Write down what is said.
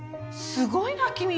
すごいな君。